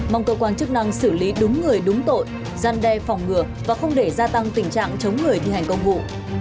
mong cơ quan chức năng xử lý đúng người đúng tội gian đe phòng ngừa và không để gia tăng tình trạng chống người thi hành công vụ